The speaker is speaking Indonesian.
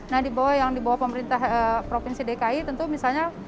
nah yang dibawah pemerintah provinsi dki tentu misalnya